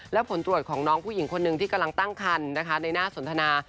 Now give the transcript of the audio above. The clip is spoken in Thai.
และผลตรวจของน้องผู้หญิงคนหนึ่งที่กำลังตั้งคันนะคะในหน้าสนทนา